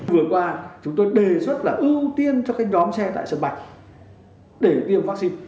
vừa qua chúng tôi đề xuất là ưu tiên cho các nhóm xe tại sân bay để tiêm vaccine